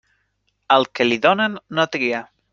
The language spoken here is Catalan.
Al que li donen, no tria.